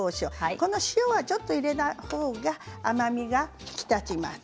このお塩はちょっと入れたほうが甘みが引き立ちます。